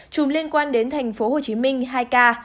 chùm liên quan đến thành phố hồ chí minh hai ca